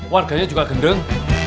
warganya juga gendeng